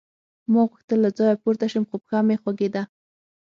ما غوښتل له ځایه پورته شم خو پښه مې خوږېده